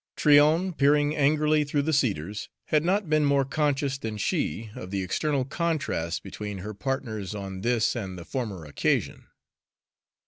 Tryon, peering angrily through the cedars, had not been more conscious than she of the external contrast between her partners on this and the former occasion.